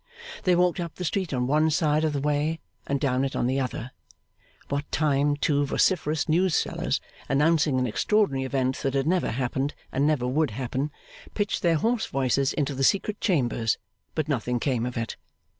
They walked up the street on one side of the way, and down it on the other, what time two vociferous news sellers, announcing an extraordinary event that had never happened and never would happen, pitched their hoarse voices into the secret chambers; but nothing came of it.